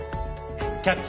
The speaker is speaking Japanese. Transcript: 「キャッチ！